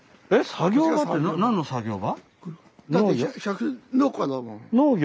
作業場って何の作業場？農業。